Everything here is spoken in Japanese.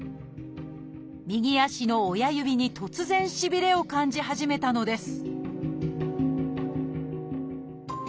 右足の親指に突然しびれを感じ始めたのです